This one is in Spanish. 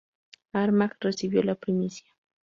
Armagh recibió la primacía.